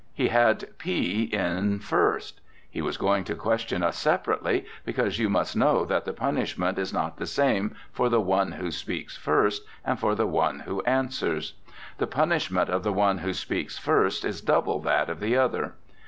He had P in first; he was going to question us separately, because you must know that the punishment is not the same for the one who speaks first, and for the one who answers; the punishment of the one who speaks first is double that of the other.